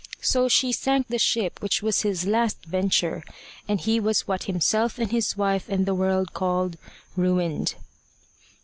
So she sank the ship which was his last venture, and he was what himself and his wife and the world called ruined.